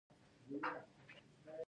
نو عام ملايان ترې يا ډډه کوي